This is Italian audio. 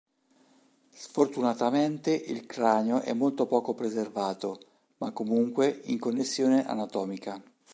Sfortunatamente il cranio è molto poco preservato, ma comunque in connessione anatomica.